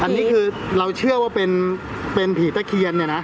อันนี้คือเราเชื่อว่าเป็นผีตะเคียนเนี่ยนะ